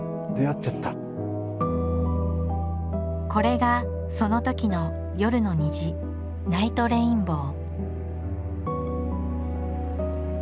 これがそのときの夜の虹ナイトレインボー。